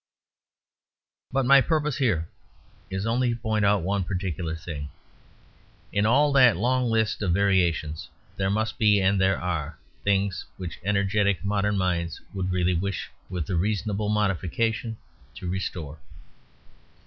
But my purpose here is only to point out one particular thing. In all that long list of variations there must be, and there are, things which energetic modern minds would really wish, with the reasonable modification, to restore.